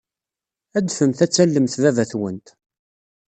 Adfemt ad tallemt baba-twent.